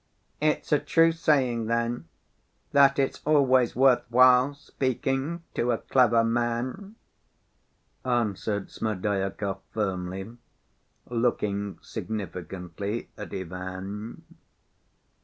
"It's a true saying then, that 'it's always worth while speaking to a clever man,' " answered Smerdyakov firmly, looking significantly at Ivan.